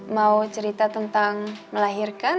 mau cerita tentang melahirkan